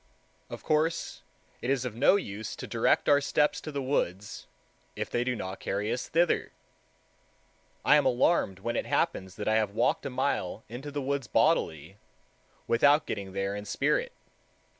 Of course it is of no use to direct our steps to the woods, if they do not carry us thither. I am alarmed when it happens that I have walked a mile into the woods bodily, without getting there in spirit.